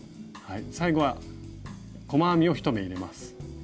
最後は細編みを１目入れます。